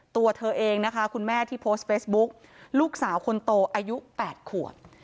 ตัวเธอเองนะคะคุณแม่ที่โพสต์เฟซบุ๊กลูกสาวคนโตอายุ๘ขวบ